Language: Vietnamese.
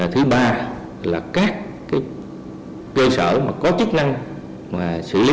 thứ ba là các cơ sở có chức năng mà xử lý